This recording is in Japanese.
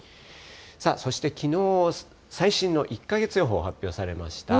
さあ、そしてきのう、最新の１か月予報、発表されました。